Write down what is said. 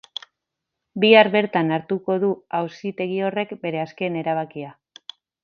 Bihar bertan hartuko du auzitegi horrek bere azken erabakia.